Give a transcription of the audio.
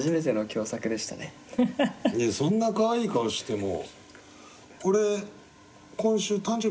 いやそんなかわいい顔しても。